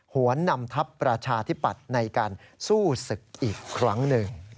หัวหน้านำทัพประชาธิปัตย์ในการสู้ศึกอีกครั้งหนึ่ง